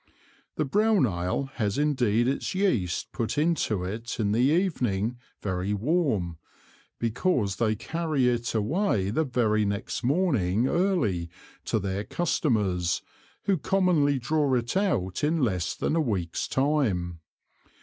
The brown Ale has indeed its Yeast put into it in the Evening very warm, because they carry it away the very next Morning early to their Customers, who commonly draw it out in less than a Week's time.